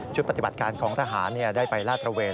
ชุดปฏิบัติการของทหารได้ไปล่าดธเวทย์